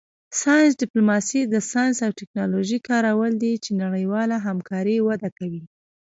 ساینس ډیپلوماسي د ساینس او ټیکنالوژۍ کارول دي چې نړیواله همکاري وده کوي